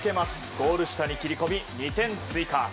ゴール下に切り込み、２点追加。